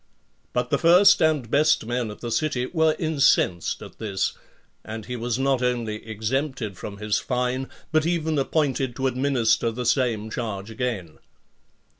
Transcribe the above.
But the first and best men of the city were incensed at this, and he was not only exempted from his fine, but even appointed to administer the same charge again.